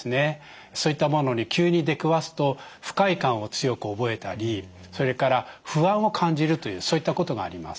そういったものに急に出くわすと不快感を強く覚えたりそれから不安を感じるというそういったことがあります。